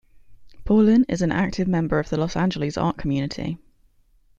Paulin is an active member of the Los Angeles art community.